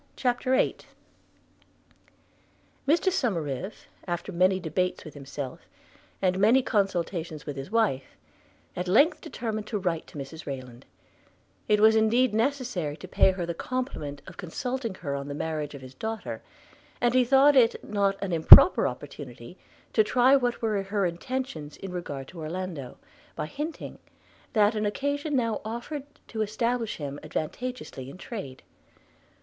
CHAPTER VIII MR SOMERIVE, after many debates with himself, and many consultations with his wife, at length determined to write to Mrs Rayland: it was indeed necessary to pay her the compliment of consulting her on the marriage of his daughter; and he thought it not an improper opportunity to try what were her intentions in regard to Orlando, by hinting, that an occasion now offered to establish him advantageously in trade.